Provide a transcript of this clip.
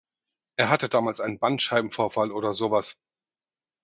Er hatte damals einen Bandscheibenvorfall oder sowas.